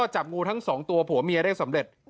จับงูทั้งสองตัวผัวเมียได้สำเร็จ